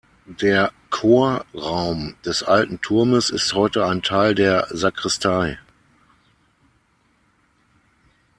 Der Chorraum des alten Turmes ist heute ein Teil der Sakristei.